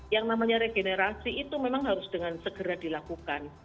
yang namanya regenerasi itu memang harus dengan segera dilakukan